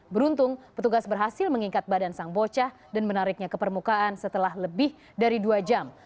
beruntung petugas berhasil mengingkat badan sang bocah dan menariknya ke permukaan setelah lebih dari dua jam